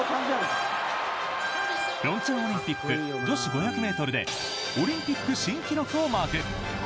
平昌オリンピック女子５００ｍでオリンピック新記録をマーク。